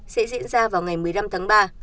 sẽ diễn ra vào ngày một mươi năm tháng ba